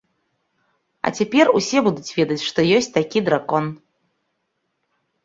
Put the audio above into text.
А цяпер усе будуць ведаць, што ёсць такі дракон.